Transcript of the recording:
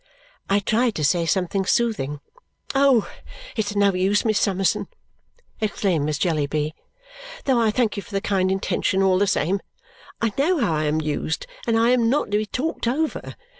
I tried to say something soothing. "Oh, it's of no use, Miss Summerson," exclaimed Miss Jellyby, "though I thank you for the kind intention all the same. I know how I am used, and I am not to be talked over.